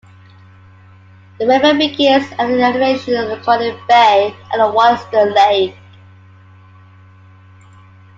The river begins at an elevation of at Cunning Bay on Wollaston Lake.